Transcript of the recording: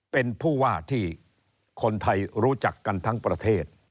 เป็นผู้ว่าที่คนไทยรู้จักกันทั้งประเทศ